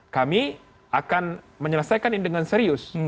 kami akan menyelesaikan ini dengan serius